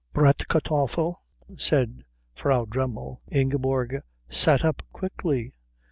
"Bratkartoffel," said Frau Dremmel. Ingeborg sat up quickly.